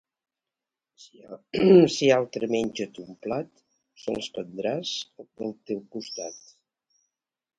Si altre menja a ton plat, sols prendràs del teu costat.